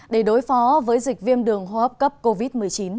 để đối phó với dịch viêm đường hô hấp cấp covid một mươi chín